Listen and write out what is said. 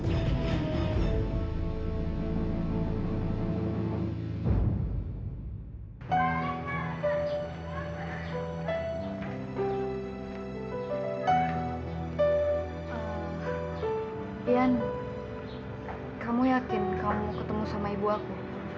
ian kamu yakin kamu ketemu sama ibu aku